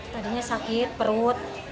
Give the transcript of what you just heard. tadinya sakit perut